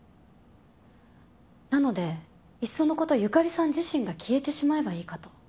なのでいっそのこと由香里さん自身が消えてしまえばいいかと。